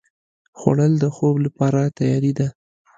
خوړل د خوب لپاره تیاري ده